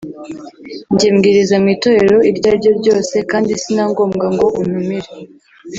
njye mbwiriza mu itorero iryo ariryo ryose kandi si na ngombwa ngo untumire